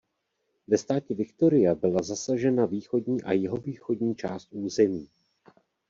Ve státě Victoria byla zasažena východní a jihovýchodní část území.